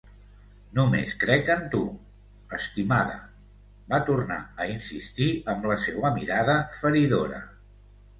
Només crec en tu, estimada, va tornar a insistir amb la seua mirada feridora.